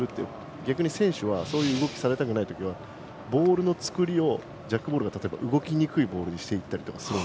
逆に選手はそういう動きをされたくないときはボールのつくりをジャックボールが例えば動きにくいボールにしたりする。